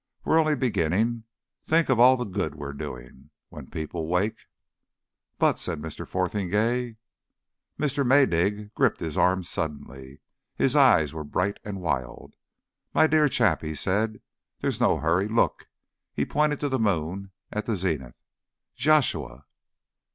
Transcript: "We're only beginning. Think of all the good we're doing. When people wake " "But ," said Mr. Fotheringay. Mr. Maydig gripped his arm suddenly. His eyes were bright and wild. "My dear chap," he said, "there's no hurry. Look" he pointed to the moon at the zenith "Joshua!"